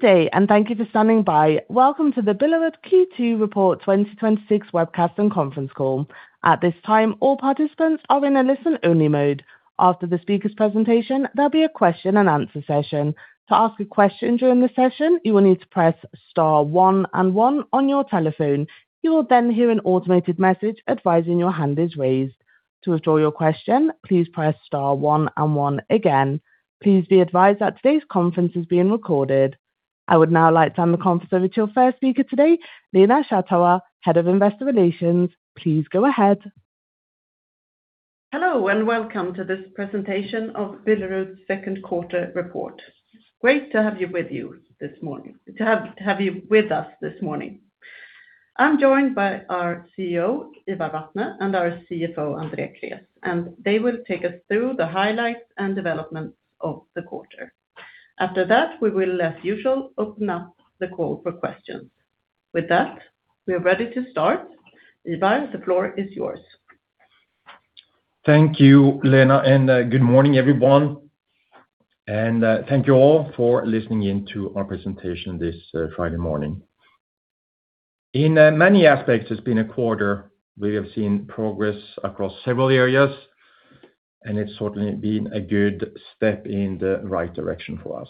Good day, thank you for standing by. Welcome to the Billerud Q2 Report 2026 webcast and conference call. At this time, all participants are in a listen-only mode. After the speaker's presentation, there will be a question and answer session. To ask a question during the session, you will need to press star one and one on your telephone. You will hear an automated message advising your hand is raised. To withdraw your question, please press star one and one again. Please be advised that today's conference is being recorded. I would now like to hand the conference over to your first speaker today, Lena Schattauer, Head of Investor Relations. Please go ahead. Hello, welcome to this presentation of Billerud's second quarter report. Great to have you with us this morning. I am joined by our CEO, Ivar Vatne, and our CFO, Andrei Krés, they will take us through the highlights and developments of the quarter. We will, as usual, open up the call for questions. We are ready to start. Ivar, the floor is yours. Thank you, Lena, good morning, everyone. Thank you all for listening in to our presentation this Friday morning. In many aspects, it has been a quarter we have seen progress across several areas, it has certainly been a good step in the right direction for us.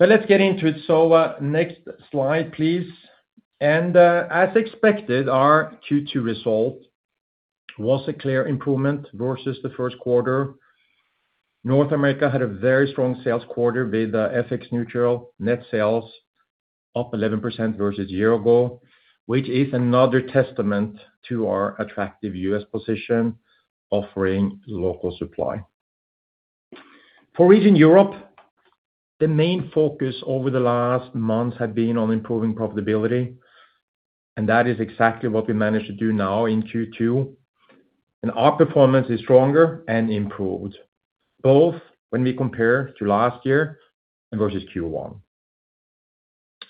Let us get into it. Next slide, please. As expected, our Q2 result was a clear improvement versus the first quarter. North America had a very strong sales quarter with FX neutral net sales up 11% versus year ago, which is another testament to our attractive U.S. position offering local supply. For region Europe, the main focus over the last months had been on improving profitability, that is exactly what we managed to do now in Q2. Our performance is stronger and improved, both when we compare to last year and versus Q1.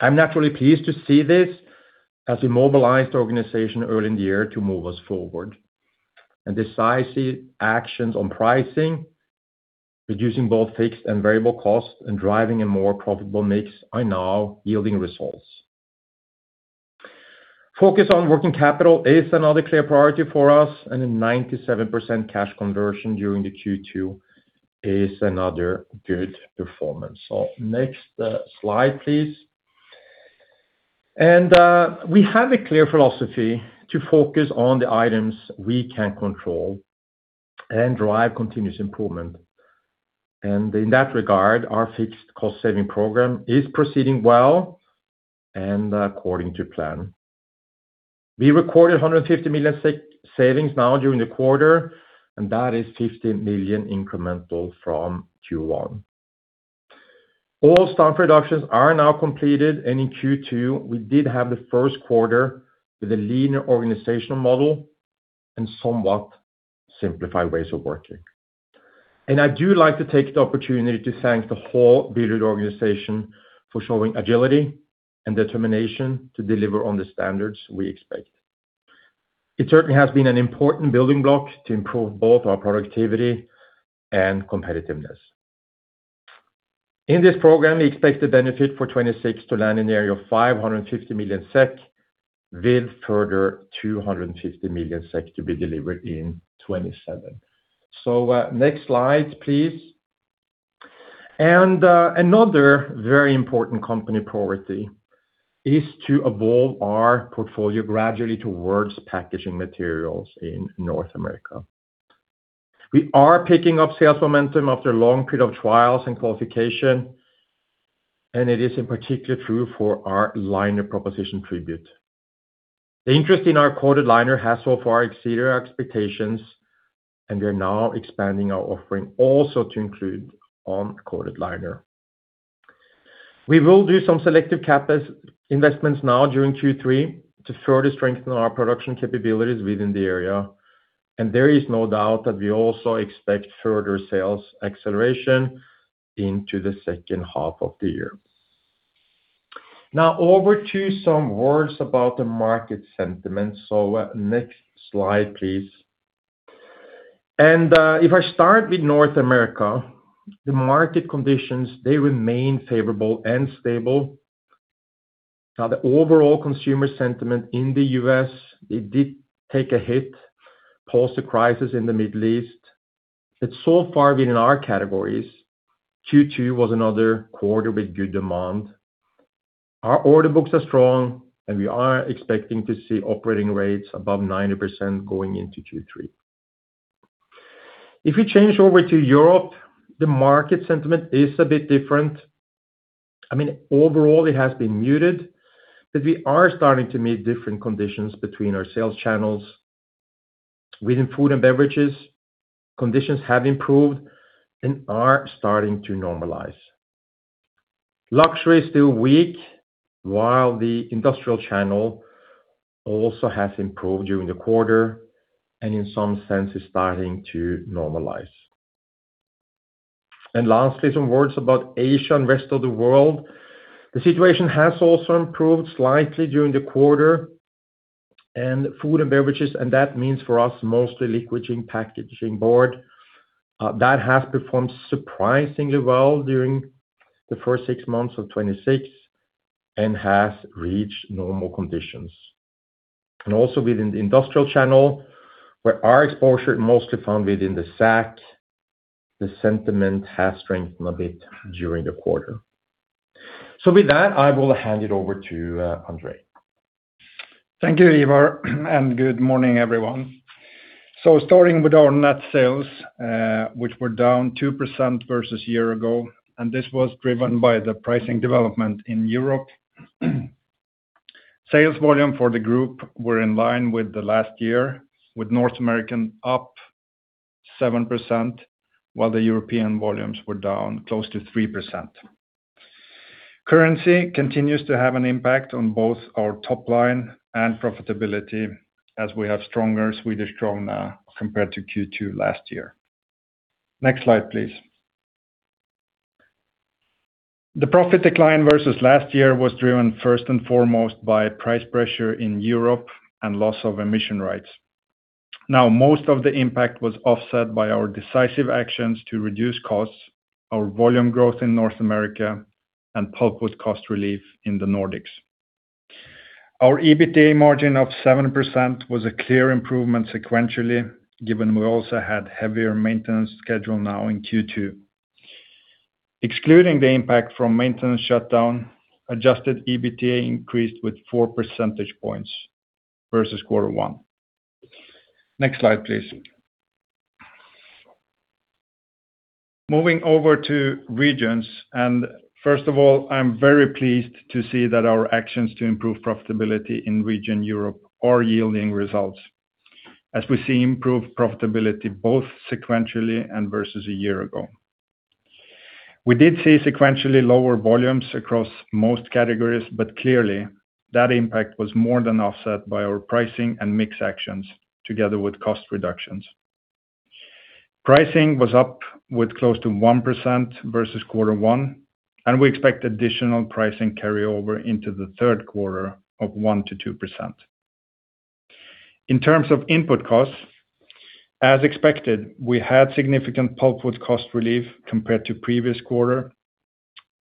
I am naturally pleased to see this as we mobilized the organization early in the year to move us forward. Decisive actions on pricing, reducing both fixed and variable costs, and driving a more profitable mix are now yielding results. Focus on working capital is another clear priority for us, a 97% cash conversion during the Q2 is another good performance. Next slide, please. We have a clear philosophy to focus on the items we can control and drive continuous improvement. In that regard, our fixed cost-saving program is proceeding well and according to plan. We recorded 150 million savings now during the quarter, that is 15 million incremental from Q1. All staff reductions are now completed, in Q2, we did have the first quarter with a leaner organizational model and somewhat simplified ways of working. I do like to take the opportunity to thank the whole Billerud organization for showing agility and determination to deliver on the standards we expect. It certainly has been an important building block to improve both our productivity and competitiveness. In this program, we expect the benefit for 2026 to land in the area of 550 million SEK with further 250 million SEK to be delivered in 2027. Next slide, please. Another very important company priority is to evolve our portfolio gradually towards packaging materials in North America. We are picking up sales momentum after a long period of trials and qualification, and it is in particular true for our liner proposition Tribute. The interest in our coated liner has so far exceeded our expectations, and we are now expanding our offering also to include uncoated liner. We will do some selective CapEx investments now during Q3 to further strengthen our production capabilities within the area. There is no doubt that we also expect further sales acceleration into the second half of the year. Over to some words about the market sentiment. Next slide, please. If I start with North America, the market conditions, they remain favorable and stable. The overall consumer sentiment in the U.S., it did take a hit post the crisis in the Middle East, but so far within our categories, Q2 was another quarter with good demand. Our order books are strong, and we are expecting to see operating rates above 90% going into Q3. If we change over to Europe, the market sentiment is a bit different. Overall, it has been muted, but we are starting to meet different conditions between our sales channels. Within food and beverages, conditions have improved and are starting to normalize. Luxury is still weak, while the industrial channel also has improved during the quarter and in some sense is starting to normalize. Lastly, some words about Asia and rest of the world. The situation has also improved slightly during the quarter. Food and beverages, and that means for us mostly liquid packaging board. That has performed surprisingly well during the first six months of 2026 and has reached normal conditions. Also within the industrial channel, where our exposure mostly found within the sack, the sentiment has strengthened a bit during the quarter. With that, I will hand it over to Andrei. Thank you, Ivar, and good morning, everyone. Starting with our net sales, which were down 2% versus year ago, and this was driven by the pricing development in Europe. Sales volume for the group were in line with the last year, with North American up 7%, while the European volumes were down close to 3%. Currency continues to have an impact on both our top line and profitability, as we have stronger Swedish krona compared to Q2 last year. Next slide, please. The profit decline versus last year was driven first and foremost by price pressure in Europe and loss of emission rights. Most of the impact was offset by our decisive actions to reduce costs, our volume growth in North America, and pulpwood cost relief in the Nordics. Our EBITDA margin of 7% was a clear improvement sequentially, given we also had heavier maintenance schedule now in Q2. Excluding the impact from maintenance shutdown, adjusted EBITDA increased with four percentage points versus quarter one. Next slide, please. Moving over to regions. First of all, I'm very pleased to see that our actions to improve profitability in region Europe are yielding results as we see improved profitability both sequentially and versus a year ago. We did see sequentially lower volumes across most categories, but clearly, that impact was more than offset by our pricing and mix actions together with cost reductions. Pricing was up with close to 1% versus quarter one, and we expect additional pricing carryover into the third quarter of 1%-2%. In terms of input costs, as expected, we had significant pulpwood cost relief compared to previous quarter,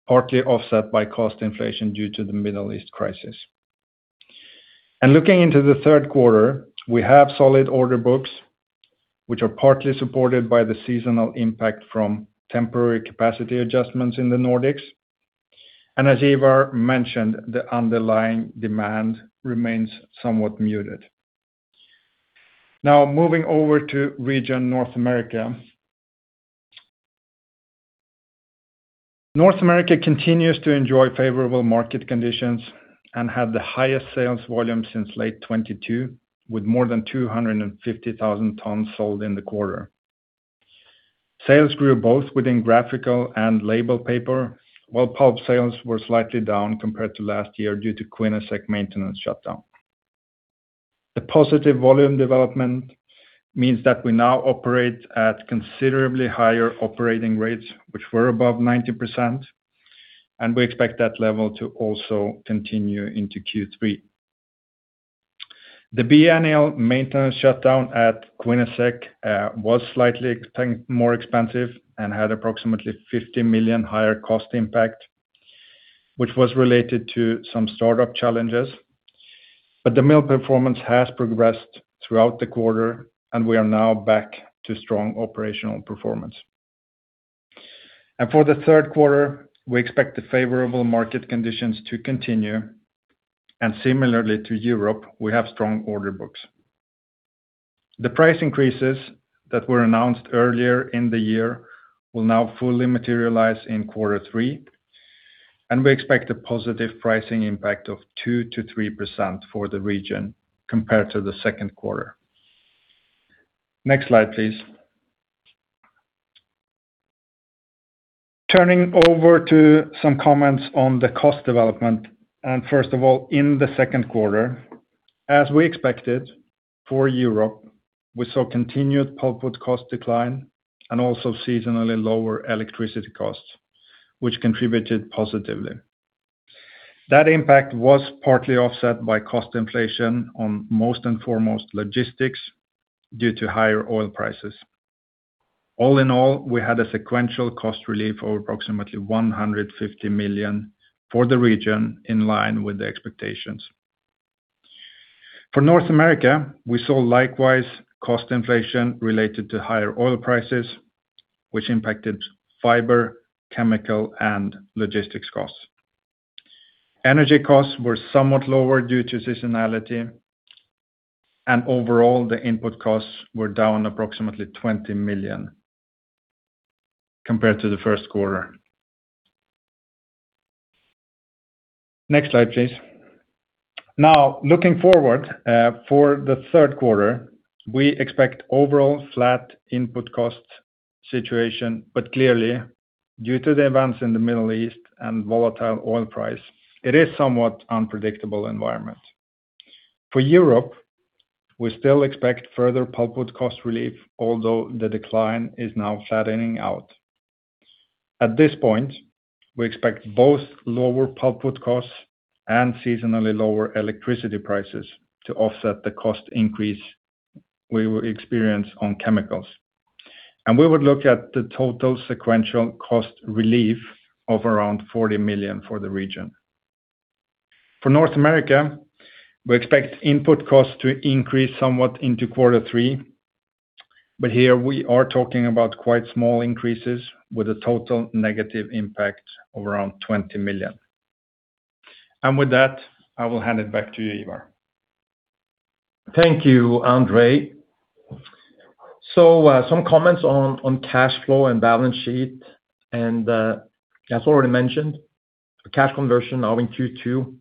partly offset by cost inflation due to the Middle East crisis. Looking into the third quarter, we have solid order books, which are partly supported by the seasonal impact from temporary capacity adjustments in the Nordics. As Ivar mentioned, the underlying demand remains somewhat muted. Now, moving over to region North America. North America continues to enjoy favorable market conditions and had the highest sales volume since late 2022, with more than 250,000 tons sold in the quarter. Sales grew both within graphic and label paper, while pulp sales were slightly down compared to last year due to Quinnesec maintenance shutdown. The positive volume development means that we now operate at considerably higher operating rates, which were above 90%, and we expect that level to also continue into Q3. The biennial maintenance shutdown at Quinnesec was slightly more expensive and had approximately 50 million higher cost impact, which was related to some startup challenges. The mill performance has progressed throughout the quarter, and we are now back to strong operational performance. For the third quarter, we expect the favorable market conditions to continue, and similarly to Europe, we have strong order books. The price increases that were announced earlier in the year will now fully materialize in quarter three, and we expect a positive pricing impact of 2%-3% for the region compared to the second quarter. Next slide, please. Turning over to some comments on the cost development. First of all, in the second quarter, as we expected for Europe, we saw continued pulpwood cost decline and also seasonally lower electricity costs, which contributed positively. That impact was partly offset by cost inflation on most and foremost logistics due to higher oil prices. All in all, we had a sequential cost relief of approximately 150 million for the region in line with the expectations. For North America, we saw likewise cost inflation related to higher oil prices, which impacted fiber, chemical, and logistics costs. Energy costs were somewhat lower due to seasonality. Overall, the input costs were down approximately 20 million compared to the first quarter. Next slide, please. Looking forward, for the third quarter, we expect overall flat input cost situation, but clearly, due to the events in the Middle East and volatile oil price, it is somewhat unpredictable environment. For Europe, we still expect further pulpwood cost relief, although the decline is now flattening out. At this point, we expect both lower pulpwood costs and seasonally lower electricity prices to offset the cost increase we will experience on chemicals. We would look at the total sequential cost relief of around 40 million for the region. For North America, we expect input costs to increase somewhat into quarter three, but here we are talking about quite small increases with a total negative impact of around 20 million. With that, I will hand it back to you, Ivar. Thank you, Andrei. Some comments on cash flow and balance sheet. As already mentioned, cash conversion now in Q2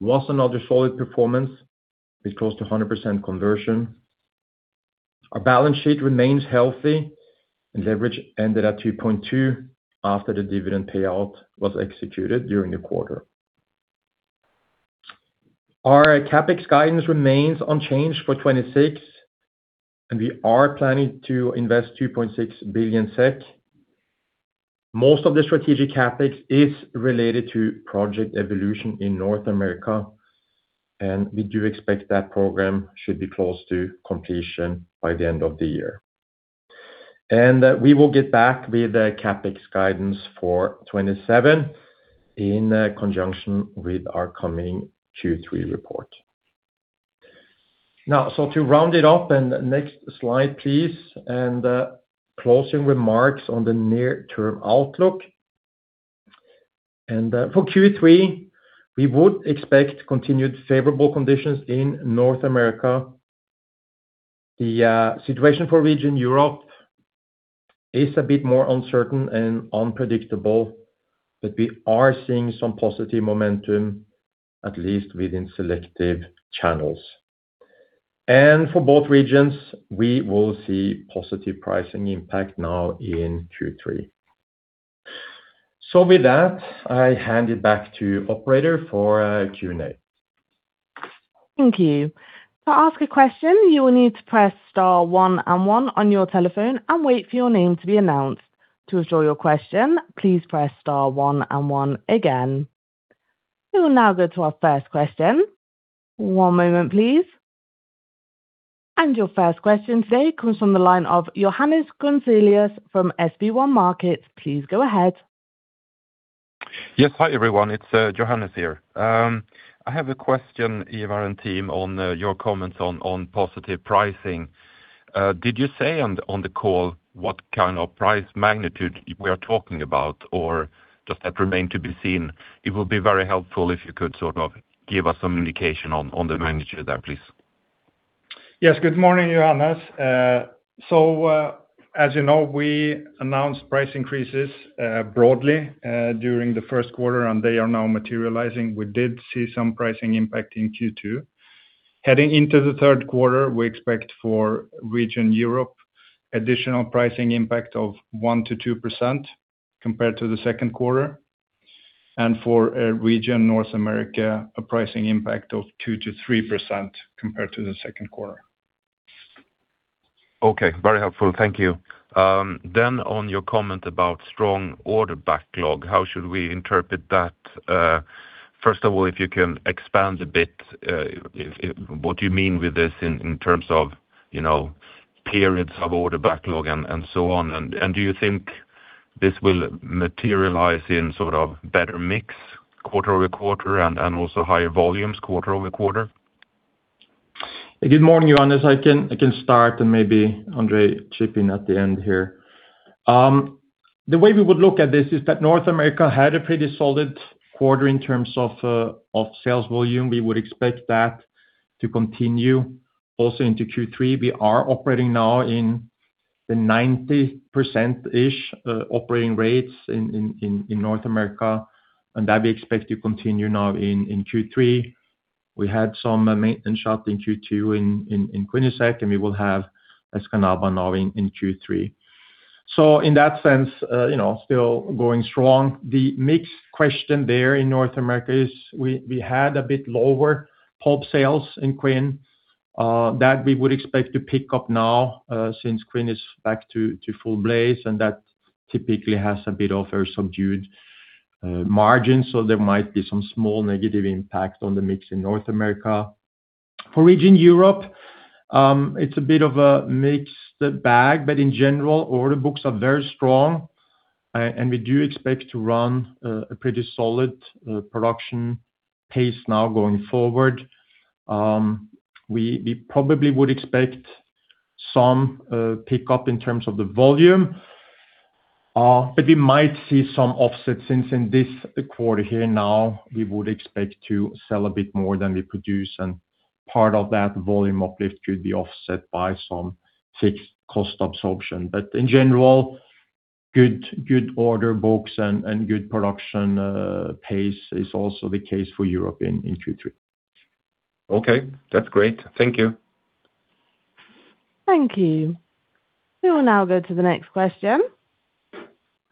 was another solid performance with close to 100% conversion. Our balance sheet remains healthy, and leverage ended at 2.2 after the dividend payout was executed during the quarter. Our CapEx guidance remains unchanged for 2026, and we are planning to invest 2.6 billion SEK. Most of the strategic CapEx is related to Project Evolution in North America, and we do expect that program should be close to completion by the end of the year. We will get back with the CapEx guidance for 2027 in conjunction with our coming Q3 report. To round it up, next slide please, closing remarks on the near-term outlook. For Q3, we would expect continued favorable conditions in North America. The situation for region Europe is a bit more uncertain and unpredictable, but we are seeing some positive momentum, at least within selective channels. For both regions, we will see positive pricing impact now in Q3. With that, I hand it back to operator for Q and A. Thank you. To ask a question, you will need to press star one and one on your telephone and wait for your name to be announced. To withdraw your question, please press star one and one again. We will now go to our first question. One moment, please. Your first question today comes from the line of Johannes Grunselius from SB1 Markets. Please go ahead. Yes. Hi, everyone. It's Johannes here. I have a question, Ivar and team, on your comments on positive pricing. Did you say on the call what kind of price magnitude we are talking about, or does that remain to be seen? It will be very helpful if you could sort of give us some indication on the magnitude there, please. Yes. Good morning, Johannes. As you know, we announced price increases broadly during the first quarter, and they are now materializing. We did see some pricing impact in Q2. Heading into the third quarter, we expect for region Europe additional pricing impact of 1%-2% compared to the second quarter. For region North America, a pricing impact of 2%-3% compared to the second quarter. Okay. Very helpful. Thank you. On your comment about strong order backlog, how should we interpret that? First of all, if you can expand a bit, what you mean with this in terms of periods of order backlog and so on. Do you think this will materialize in sort of better mix quarter-over-quarter and also higher volumes quarter-over-quarter? Good morning, Johannes. I can start and maybe Andrei chip in at the end here. The way we would look at this is that North America had a pretty solid quarter in terms of sales volume. We would expect that to continue also into Q3. We are operating now in the 90%-ish operating rates in North America, and that we expect to continue now in Q3. We had some maintenance shut in Q2 in Quinnesec, and we will have Escanaba now in Q3. In that sense, still going strong. The mix question there in North America is we had a bit lower pulp sales in Quinn. That we would expect to pick up now, since Quinn is back to full blaze, and that typically has a bit of a subdued margin, so there might be some small negative impact on the mix in North America. For region Europe, it's a bit of a mixed bag, but in general, order books are very strong. We do expect to run a pretty solid production pace now going forward. We probably would expect some pickup in terms of the volume. We might see some offset since in this quarter here now, we would expect to sell a bit more than we produce, and part of that volume uplift could be offset by some fixed cost absorption. In general, good order books and good production pace is also the case for Europe in Q3. Okay. That's great. Thank you. Thank you. We will now go to the next question.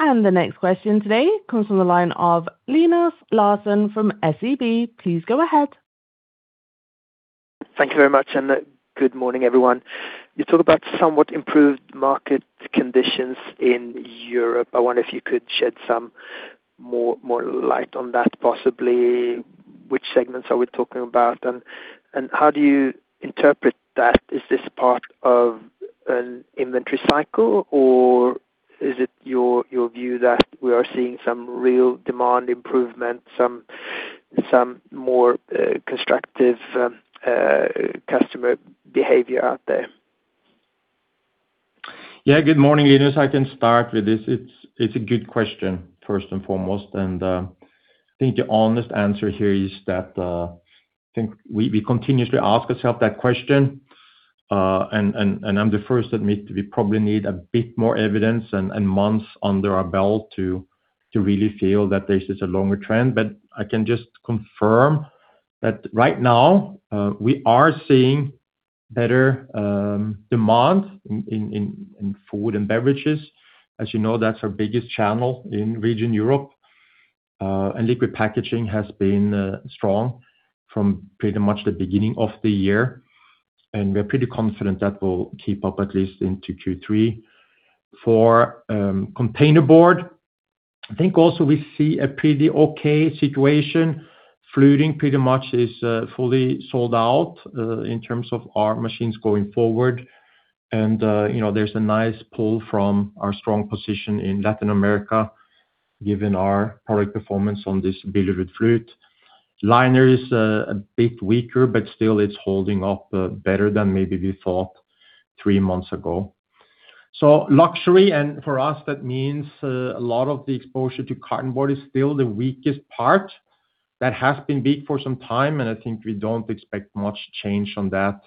The next question today comes from the line of Linus Larsson from SEB. Please go ahead. Thank you very much, good morning, everyone. You talk about somewhat improved market conditions in Europe. I wonder if you could shed some more light on that, possibly which segments are we talking about, and how do you interpret that? Is this part of an inventory cycle, or is it your view that we are seeing some real demand improvement, some more constructive customer behavior out there? Yeah. Good morning, Linus. I can start with this. It is a good question first and foremost. I think the honest answer here is that we continuously ask ourselves that question, and I am the first to admit we probably need a bit more evidence and months under our belt to really feel that this is a longer trend. I can just confirm that right now we are seeing better demand in food and beverages. As you know, that is our biggest channel in region Europe. Liquid packaging has been strong from pretty much the beginning of the year, and we are pretty confident that will keep up at least into Q3. For containerboard, I think also we see a pretty okay situation. Fluting pretty much is fully sold out in terms of our machines going forward. There is a nice pull from our strong position in Latin America given our product performance on this Billerud Flute. Liner is a bit weaker, but still it is holding up better than maybe we thought three months ago. Luxury, and for us, that means a lot of the exposure to cartonboard is still the weakest part. That has been weak for some time, and I think we do not expect much change on that.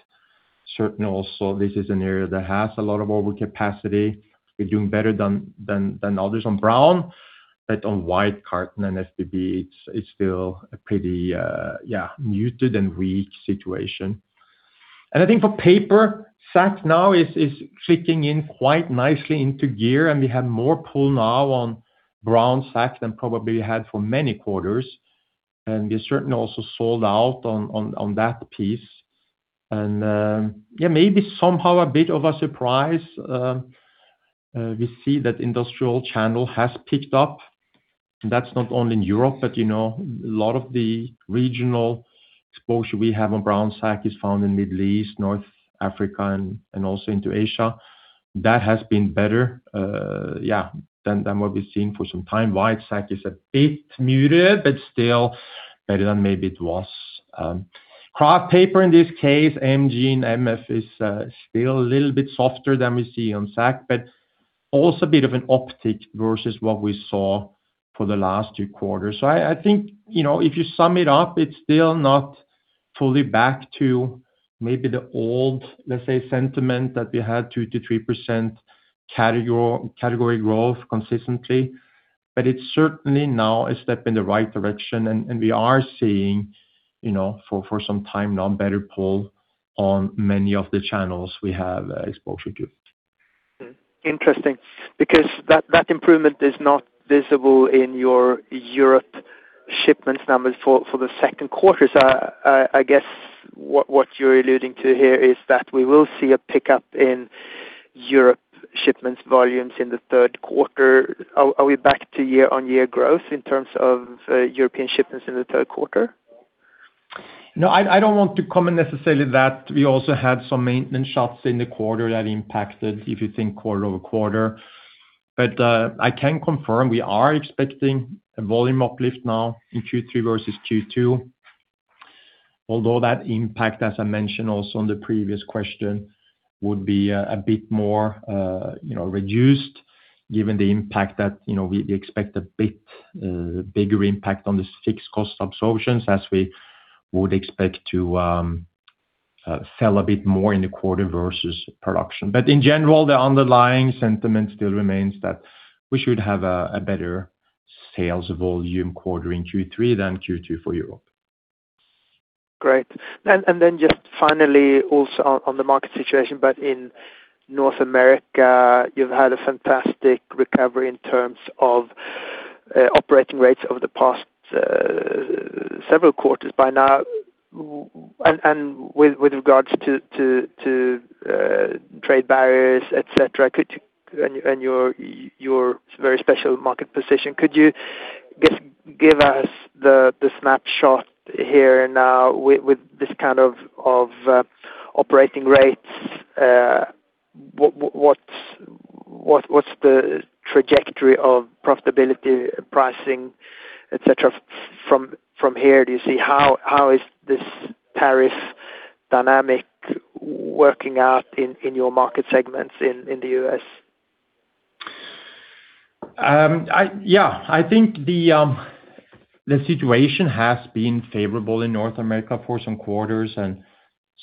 Certainly, also, this is an area that has a lot of overcapacity. We are doing better than others on brown, but on white carton and FBB, it is still a pretty muted and weak situation. I think for paper, sack now is clicking in quite nicely into gear, and we have more pull now on brown sack than probably we had for many quarters. We certainly also sold out on that piece. Yeah, maybe somehow a bit of a surprise, we see that industrial channel has picked up. That is not only in Europe, but a lot of the regional exposure we have on brown sack is found in Middle East, North Africa, and also into Asia. That has been better, yeah, than what we have seen for some time. White sack is a bit muted, but still better than maybe it was. kraft paper, in this case, MG and MF is still a little bit softer than we see on sack, but also a bit of an uptick versus what we saw for the last two quarters. I think, if you sum it up, it is still not fully back to maybe the old, let us say, sentiment that we had 2%-3% category growth consistently. It is certainly now a step in the right direction, and we are seeing, for some time now, better pull on many of the channels we have exposure to. Interesting. That improvement is not visible in your Europe shipments numbers for the second quarter. I guess what you're alluding to here is that we will see a pickup in Europe shipments volumes in the third quarter. Are we back to year-on-year growth in terms of European shipments in the third quarter? No, I don't want to comment necessarily that we also had some maintenance shots in the quarter that impacted, if you think quarter-over-quarter. I can confirm we are expecting a volume uplift now in Q3 versus Q2. That impact, as I mentioned also on the previous question, would be a bit more reduced given the impact that we expect a bit bigger impact on the fixed cost absorptions as we would expect to sell a bit more in the quarter versus production. In general, the underlying sentiment still remains that we should have a better sales volume quarter in Q3 than Q2 for Europe. Great. Just finally, also on the market situation, in North America, you've had a fantastic recovery in terms of operating rates over the past several quarters by now. With regards to trade barriers, et cetera, and your very special market position, could you just give us the snapshot here and now with this kind of operating rates? What's the trajectory of profitability, pricing, et cetera, from here? Do you see how is this tariff dynamic working out in your market segments in the U.S.? I think the situation has been favorable in North America for some quarters, and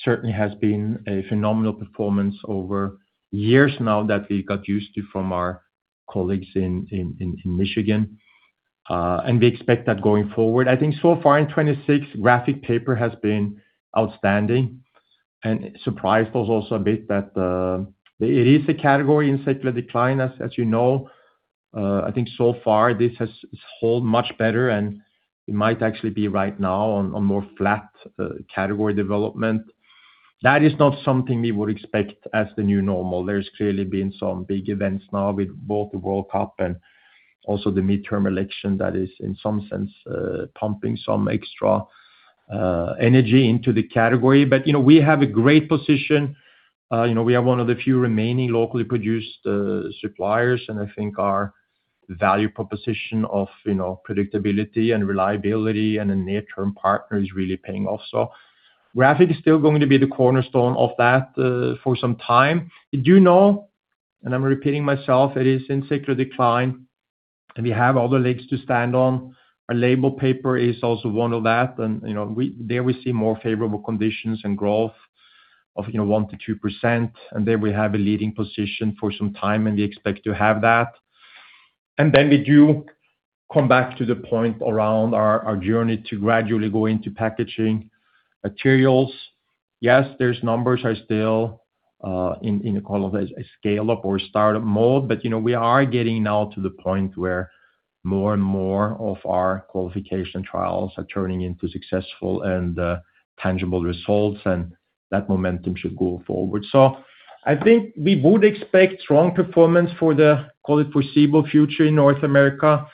certainly has been a phenomenal performance over years now that we got used to from our colleagues in Michigan. We expect that going forward. I think so far in 2026, graphic paper has been outstanding and surprised us also a bit that it is a category in cyclical decline, as you know. I think so far this has held much better, and we might actually be right now on more flat category development. That is not something we would expect as the new normal. There's clearly been some big events now with both the World Cup and also the midterm election that is in some sense, pumping some extra energy into the category. We have a great position. We are one of the few remaining locally produced suppliers, I think our value proposition of predictability and reliability and a near-term partner is really paying off. Graphic is still going to be the cornerstone of that for some time. We do know, and I'm repeating myself, it is in secular decline and we have other legs to stand on. Our label paper is also one of that, there we see more favorable conditions and growth of 1%-2%. There we have a leading position for some time, we expect to have that. Then we do come back to the point around our journey to gradually go into packaging materials. Yes, those numbers are still in a scale-up or startup mode, we are getting now to the point where more and more of our qualification trials are turning into successful and tangible results, that momentum should go forward. I think we would expect strong performance for the foreseeable future in North America.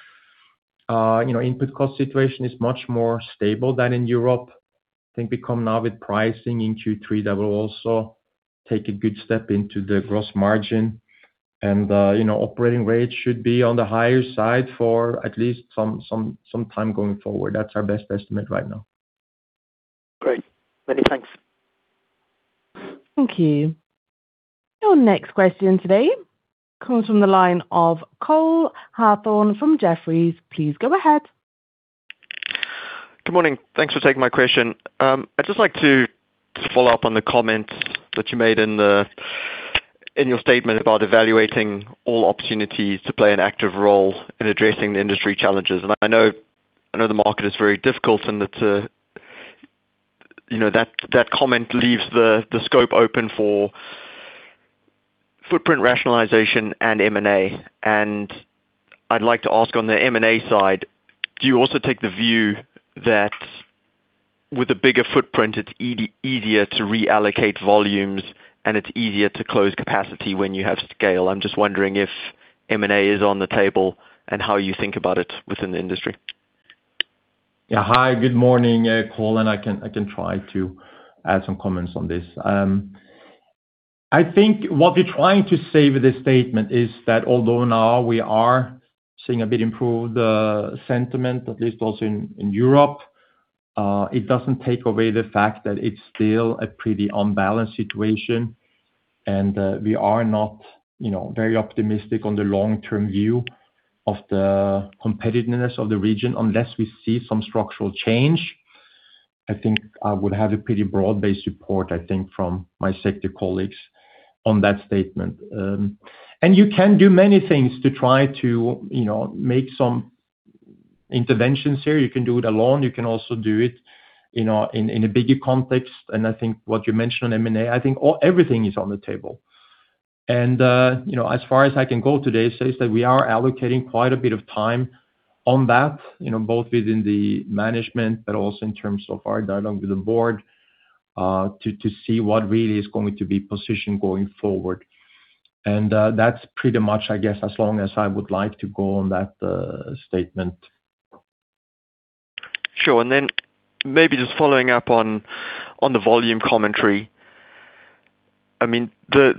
Input cost situation is much more stable than in Europe. I think we come now with pricing in Q3 that will also take a good step into the gross margin. Operating rates should be on the higher side for at least some time going forward. That's our best estimate right now. Great. Many thanks. Thank you. Your next question today comes from the line of Cole Hathorn from Jefferies. Please go ahead. Good morning. Thanks for taking my question. I'd just like to follow up on the comments that you made in your statement about evaluating all opportunities to play an active role in addressing the industry challenges. I know the market is very difficult and that that comment leaves the scope open for footprint rationalization and M&A. I'd like to ask on the M&A side, do you also take the view that with a bigger footprint, it's easier to reallocate volumes and it's easier to close capacity when you have scale? I'm just wondering if M&A is on the table and how you think about it within the industry. Yeah. Hi, good morning, Cole. I can try to add some comments on this. I think what we're trying to say with this statement is that although now we are seeing a bit improved sentiment, at least also in Europe, it doesn't take away the fact that it's still a pretty unbalanced situation. We are not very optimistic on the long-term view of the competitiveness of the region unless we see some structural change. I think I would have a pretty broad-based support, I think from my sector colleagues on that statement. You can do many things to try to make some interventions here. You can do it alone. You can also do it in a bigger context. I think what you mentioned on M&A, I think everything is on the table. As far as I can go today, it's safe to say that we are allocating quite a bit of time on that both within the management but also in terms of our dialogue with the board, to see what really is going to be positioned going forward. That's pretty much, I guess, as long as I would like to go on that statement. Sure. Then maybe just following up on the volume commentary. The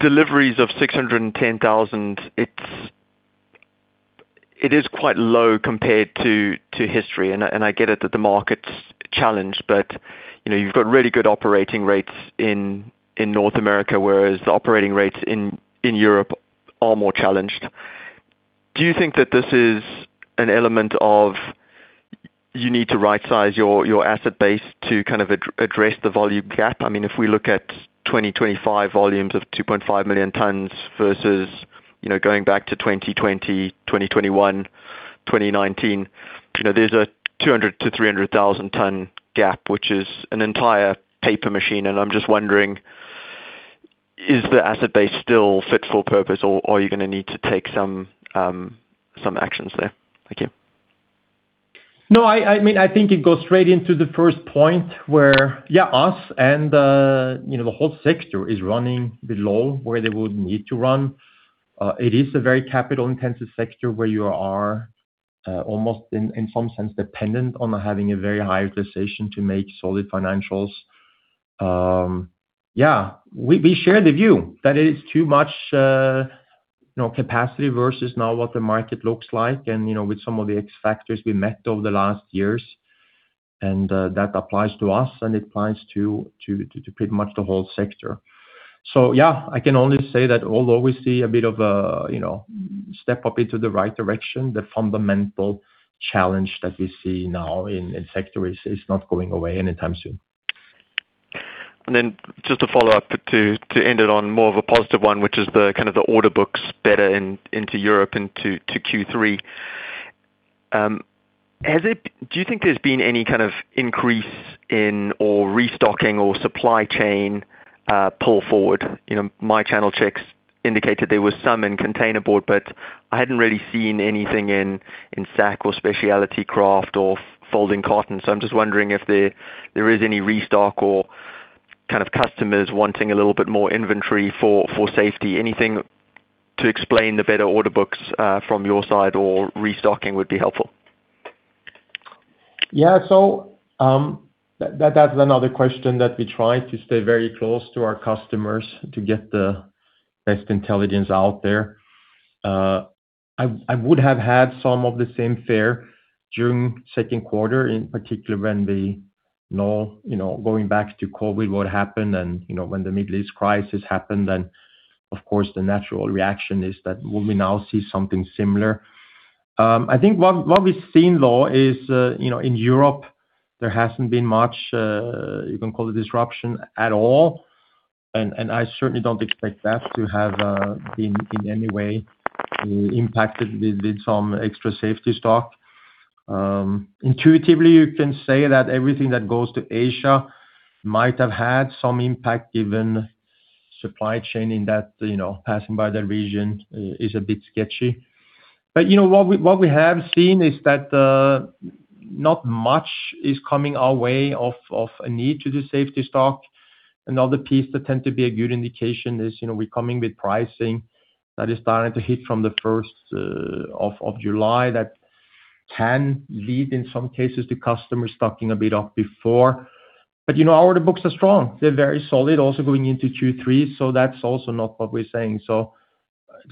deliveries of 610,000, it is quite low compared to history, and I get it that the market's challenged, but you've got really good operating rates in North America, whereas the operating rates in Europe are more challenged. Do you think that this is an element of you need to right size your asset base to kind of address the volume gap? If we look at 2025 volumes of 2.5 million tons versus going back to 2020, 2021, 2019, there's a 200,000 tons to 300,000 tons gap, which is an entire paper machine, and I'm just wondering, is the asset base still fit for purpose or are you going to need to take some actions there? Thank you. I think it goes straight into the first point where, us and the whole sector is running below where they would need to run. It is a very capital-intensive sector where you are almost in some sense dependent on having a very high position to make solid financials. Yeah, we share the view that it is too much capacity versus now what the market looks like and with some of the X factors we met over the last years. That applies to us and it applies to pretty much the whole sector. Yeah, I can only say that although we see a bit of a step up into the right direction, the fundamental challenge that we see now in sector is not going away anytime soon. Just to follow up, to end it on more of a positive one, which is the kind of the order books better into Europe and to Q3. Do you think there's been any kind of increase in, or restocking or supply chain pull forward? My channel checks indicated there was some in containerboard, but I hadn't really seen anything in sack or specialty kraft or folding carton. I'm just wondering if there is any restock or kind of customers wanting a little bit more inventory for safety. Anything to explain the better order books from your side or restocking would be helpful. That's another question that we try to stay very close to our customers to get the best intelligence out there. I would have had some of the same fear during second quarter, in particular when the going back to COVID, what happened and, when the Middle East crisis happened, then of course, the natural reaction is that will we now see something similar? I think what we've seen, though, is in Europe, there hasn't been much, you can call it disruption at all. I certainly don't expect that to have been in any way impacted with some extra safety stock. Intuitively, you can say that everything that goes to Asia might have had some impact given supply chain in that, passing by the region is a bit sketchy. What we have seen is that not much is coming our way of a need to do safety stock. Another piece that tends to be a good indication is, we're coming with pricing that is starting to hit from the first of July. That can lead, in some cases, to customer stocking a bit up before. Our order books are strong. They're very solid also going into Q3. That's also not what we're saying. At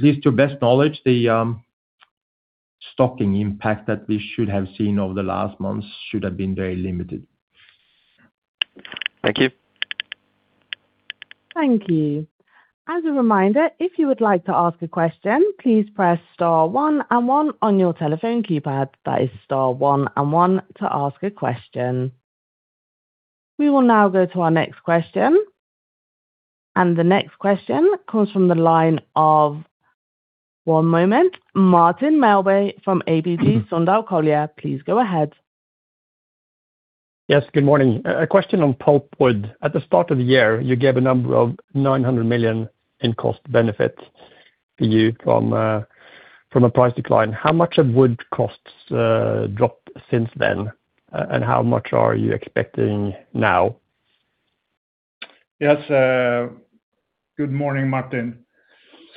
least to best knowledge, the stocking impact that we should have seen over the last months should have been very limited. Thank you. Thank you. As a reminder, if you would like to ask a question, please press star one and one on your telephone keypad. That is star one and one to ask a question. We will now go to our next question. The next question comes from the line of, one moment, Martin Melbye from ABG Sundal Collier. Please go ahead. Yes, good morning. A question on pulpwood. At the start of the year, you gave a number of 900 million in cost benefits for you from a price decline. How much of wood costs dropped since then, and how much are you expecting now? Yes. Good morning, Martin.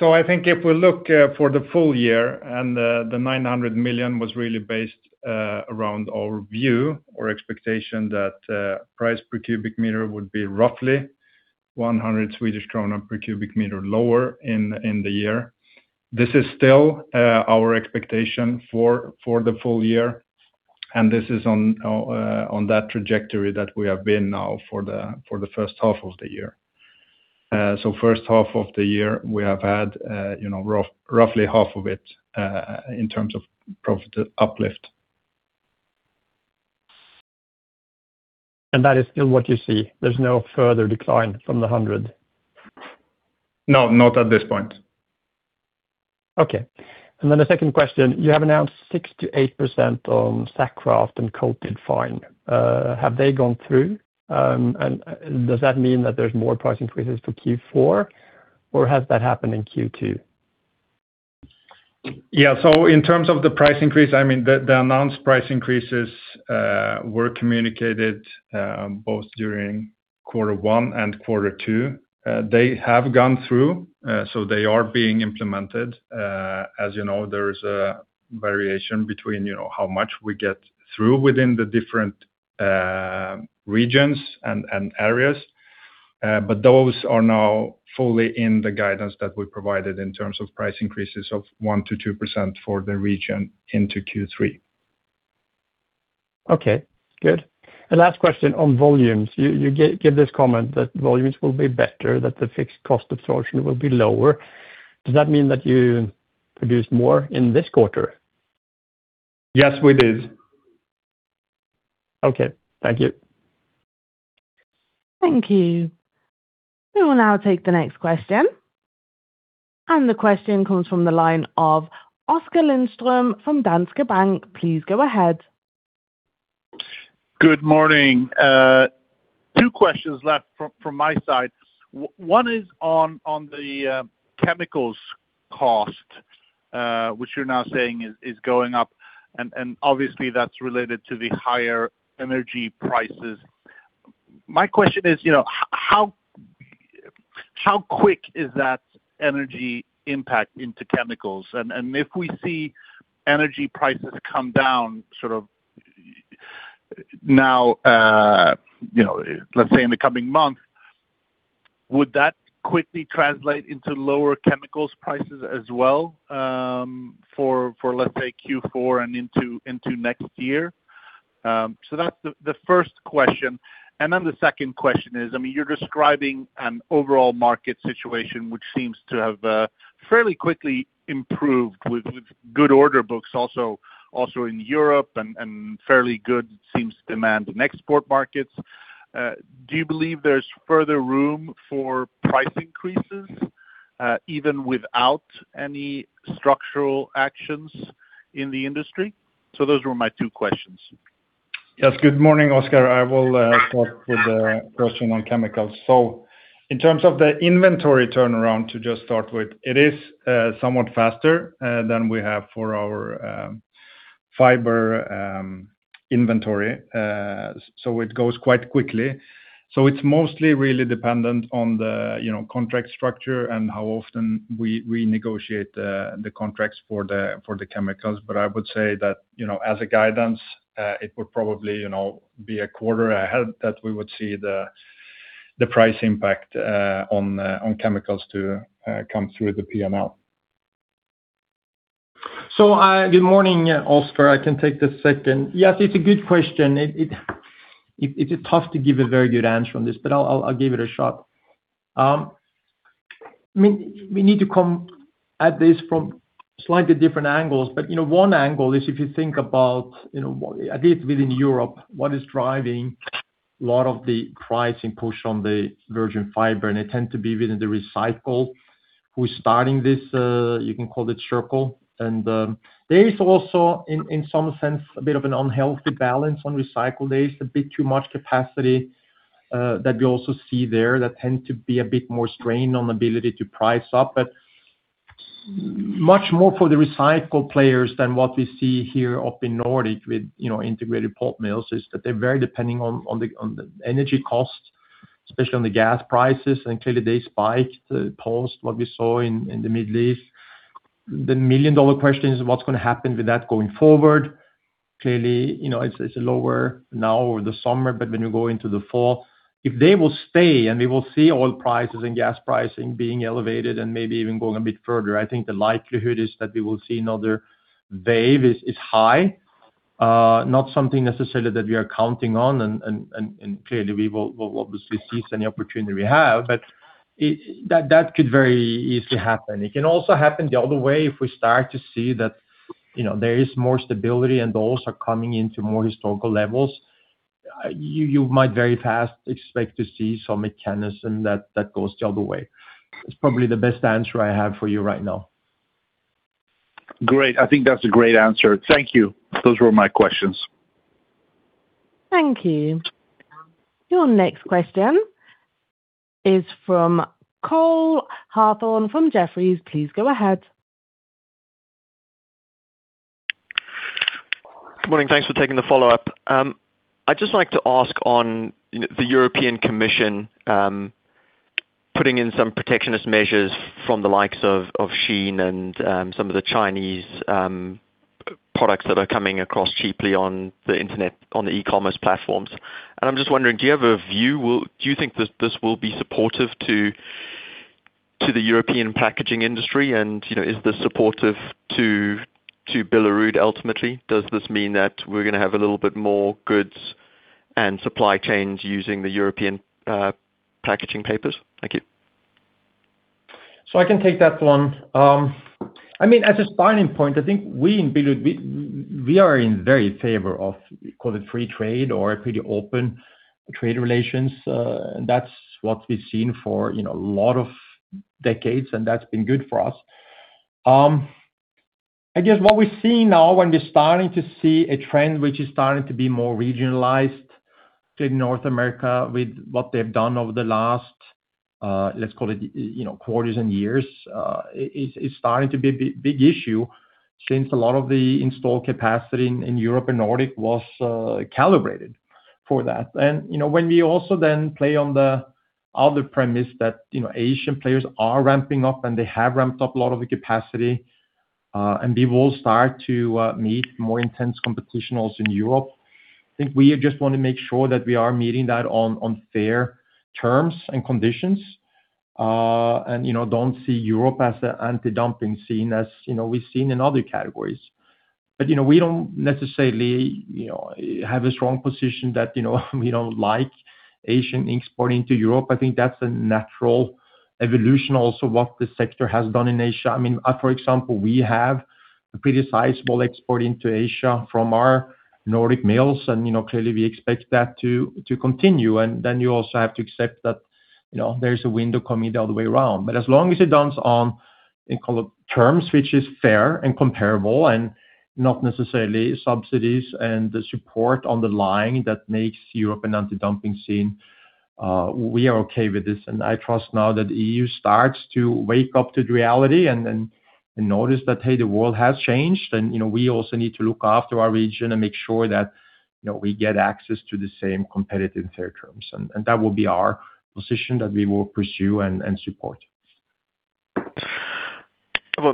I think if we look for the full year, the 900 million was really based around our view or expectation that price per cubic meter would be roughly 100 Swedish krona per cubic meter lower in the year. This is still our expectation for the full year, and this is on that trajectory that we have been now for the first half of the year. First half of the year, we have had roughly half of it in terms of profit uplift. That is still what you see? There is no further decline from the 100? No, not at this point. Okay. Then the second question. You have announced 68% on sack kraft and coated fine. Have they gone through? Does that mean that there is more price increases for Q4 or has that happened in Q2? Yeah. In terms of the price increase, the announced price increases were communicated both during quarter one and quarter two. They have gone through, so they are being implemented. As you know, there is a variation between how much we get through within the different regions and areas. Those are now fully in the guidance that we provided in terms of price increases of 1%-2% for the region into Q3. Okay, good. Last question on volumes. You give this comment that volumes will be better, that the fixed cost absorption will be lower. Does that mean that you produce more in this quarter? Yes, we did. Okay. Thank you. Thank you. We will now take the next question. The question comes from the line of Oskar Lindström from Danske Bank. Please go ahead. Good morning. Two questions left from my side. One is on the chemicals cost, which you're now saying is going up, and obviously that's related to the higher energy prices. My question is, how quick is that energy impact into chemicals? If we see energy prices come down sort of now, let's say in the coming month, would that quickly translate into lower chemicals prices as well for, let's say, Q4 and into next year? That's the first question. The second question is, you're describing an overall market situation which seems to have fairly quickly improved with good order books also in Europe and fairly good, it seems, demand in export markets. Do you believe there's further room for price increases? Even without any structural actions in the industry? Those were my two questions. Yes. Good morning, Oskar. I will start with the question on chemicals. In terms of the inventory turnaround, to just start with, it is somewhat faster than we have for our fiber inventory. It goes quite quickly. It's mostly really dependent on the contract structure and how often we negotiate the contracts for the chemicals. I would say that, as a guidance, it would probably be a quarter ahead that we would see the price impact on chemicals to come through the P&L. Good morning, Oskar. I can take the second. Yes, it's a good question. It is tough to give a very good answer on this, but I'll give it a shot. We need to come at this from slightly different angles. One angle is if you think about, at least within Europe, what is driving a lot of the pricing push on the virgin fiber, and they tend to be within the recycle, who are starting this, you can call it circle. There is also, in some sense, a bit of an unhealthy balance on recycle. There is a bit too much capacity that we also see there that tend to be a bit more strain on ability to price up. Much more for the recycle players than what we see here up in Nordic with integrated pulp mills, is that they're very depending on the energy cost, especially on the gas prices. Clearly they spike post what we saw in the Middle East. The million-dollar question is what's going to happen with that going forward. Clearly, it's lower now over the summer, but when you go into the fall, if they will stay and we will see oil prices and gas pricing being elevated and maybe even going a bit further, I think the likelihood is that we will see another wave is high. Not something necessarily that we are counting on, and clearly we will obviously seize any opportunity we have. That could very easily happen. It can also happen the other way if we start to see that there is more stability and those are coming into more historical levels. You might very fast expect to see some mechanism that goes the other way. It's probably the best answer I have for you right now. Great. I think that's a great answer. Thank you. Those were my questions. Thank you. Your next question is from Cole Hathorn from Jefferies. Please go ahead. Good morning. Thanks for taking the follow-up. I'd just like to ask on the European Commission putting in some protectionist measures from the likes of Shein and some of the Chinese products that are coming across cheaply on the internet, on the e-commerce platforms. I'm just wondering, do you have a view? Do you think that this will be supportive to the European packaging industry? Is this supportive to Billerud ultimately? Does this mean that we're going to have a little bit more goods and supply chains using the European packaging papers? Thank you. I can take that one. As a starting point, I think we in Billerud, we are in very favor of call it free trade or pretty open trade relations. That's what we've seen for a lot of decades, and that's been good for us. I guess what we're seeing now, when we're starting to see a trend which is starting to be more regionalized in North America with what they've done over the last, let's call it, quarters and years, it's starting to be a big issue since a lot of the installed capacity in Europe and Nordic was calibrated for that. When we also then play on the other premise that Asian players are ramping up, and they have ramped up a lot of the capacity, and we will start to meet more intense competition also in Europe. I think we just want to make sure that we are meeting that on fair terms and conditions. Don't see Europe as the anti-dumping scene as we've seen in other categories. We don't necessarily have a strong position that we don't like Asian export into Europe. I think that's a natural evolution, also what the sector has done in Asia. For example, we have a pretty sizable export into Asia from our Nordic mills, and clearly we expect that to continue. You also have to accept that there's a window coming the other way around. As long as it does on, in terms which is fair and comparable and not necessarily subsidies and the support underlying that makes Europe an anti-dumping scene, we are okay with this. I trust now that EU starts to wake up to the reality and notice that, hey, the world has changed, and we also need to look after our region and make sure that we get access to the same competitive fair terms. That will be our position that we will pursue and support.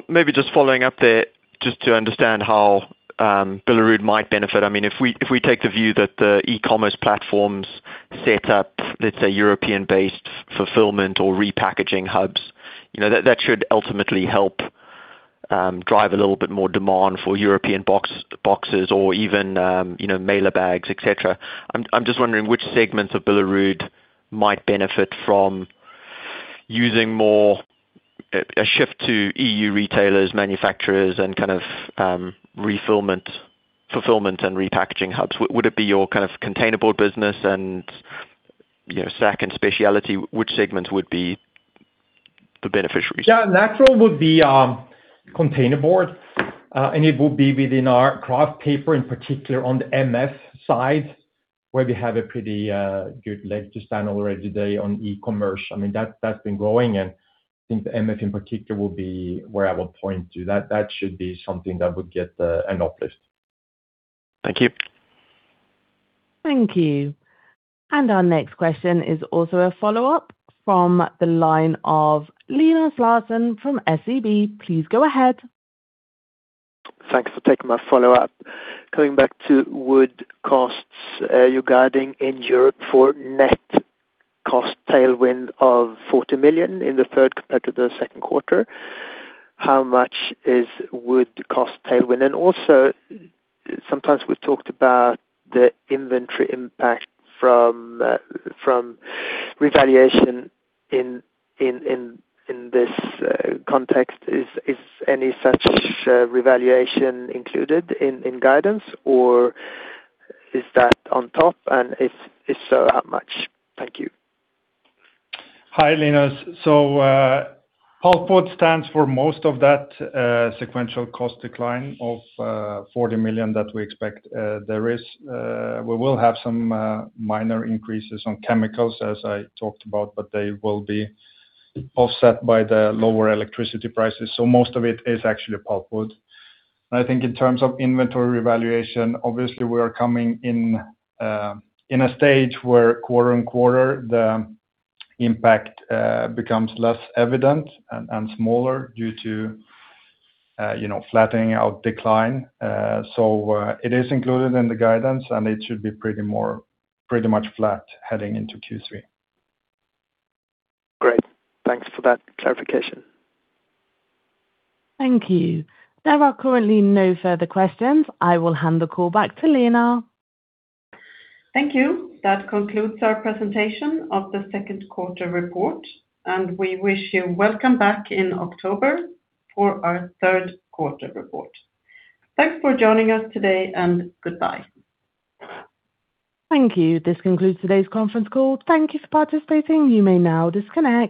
Maybe just following up there just to understand how Billerud might benefit. If we take the view that the e-commerce platforms set up, let's say European-based fulfillment or repackaging hubs, that should ultimately help drive a little bit more demand for European boxes or even mailer bags, et cetera. I'm just wondering which segments of Billerud might benefit from using more a shift to EU retailers, manufacturers, and kind of fulfillment and repackaging hubs. Would it be your kind of containerboard business and sack and specialty? Which segments would be the beneficiaries? Yeah, natural would be containerboard. It will be within our kraft paper, in particular on the MF side, where we have a pretty good leg to stand already today on e-commerce. That's been growing, and I think the MF in particular will be where I will point to. That should be something that would get an uplift. Thank you. Thank you. Our next question is also a follow-up from the line of Linus Larsson from SEB. Please go ahead. Thanks for taking my follow-up. Coming back to wood costs, you're guiding in Europe for net cost tailwind of 40 million in the third compared to the second quarter. How much is wood cost tailwind? Also, sometimes we've talked about the inventory impact from revaluation in this context. Is any such revaluation included in guidance, or is that on top? If so, how much? Thank you. Hi, Linus. Pulpwood stands for most of that sequential cost decline of 40 million that we expect. We will have some minor increases on chemicals as I talked about, they will be offset by the lower electricity prices. Most of it is actually pulpwood. I think in terms of inventory valuation, obviously we are coming in a stage where quarter-on-quarter, the impact becomes less evident and smaller due to flattening out decline. It is included in the guidance, and it should be pretty much flat heading into Q3. Great. Thanks for that clarification. Thank you. There are currently no further questions. I will hand the call back to Lena. Thank you. That concludes our presentation of the second quarter report. We wish you welcome back in October for our third quarter report. Thanks for joining us today, and goodbye. Thank you. This concludes today's conference call. Thank you for participating. You may now disconnect.